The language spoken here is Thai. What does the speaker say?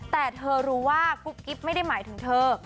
แต่เธอรู้ว่ากุ๊บกิ๊บไม่ได้หมายถึงเธอ